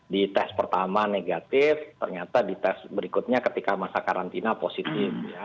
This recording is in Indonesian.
di tes pertama negatif ternyata di tes berikutnya ketika masa karantina positif